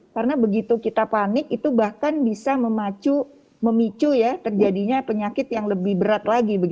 karena begitu kita panik itu bahkan bisa memicu ya terjadinya penyakit yang lebih berat lagi